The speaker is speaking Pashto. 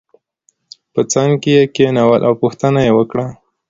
په څنګ کې یې کېنول او پوښتنه یې وکړه.